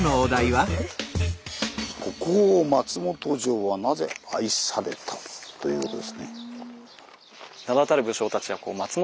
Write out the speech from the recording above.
「国宝・松本城はなぜ愛された？」ということですね。